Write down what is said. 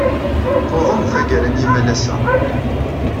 Tuḍen tagara n yimalas-a.